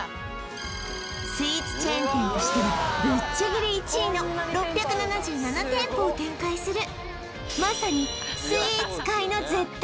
スイーツチェーン店としてはぶっちぎり１位の６７７店舗を展開する